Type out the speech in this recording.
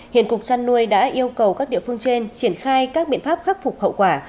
hiện cục trăn nuôi đã yêu cầu các địa phương trên triển khai các biện pháp khắc phục hậu quả